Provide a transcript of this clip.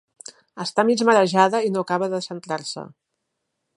Està mig marejada i no acaba de centrar-se.